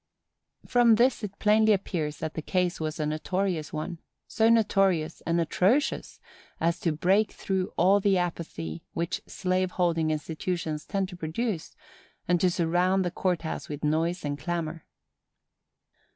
From this it plainly appears that the case was a notorious one; so notorious and atrocious as to break through all the apathy which slave holding institutions tend to produce, and to surround the court house with noise and clamor.